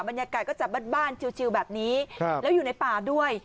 บรรยากาศก็จะบ้านชิวแบบนี้แล้วอยู่ในป่าด้วย